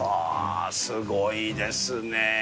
すごいですね。